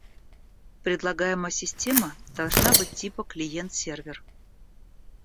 Предлагаемая система должна быть типа «Клиент-сервер»